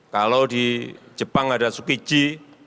kalau di jepang ada sukiji